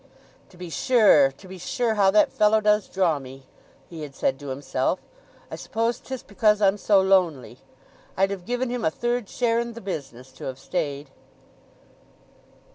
"To be sure, to be sure, how that fellow does draw me!" he had said to himself. "I suppose 'tis because I'm so lonely. I'd have given him a third share in the business to have stayed!"